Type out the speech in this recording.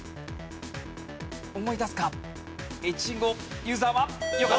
思い出すか？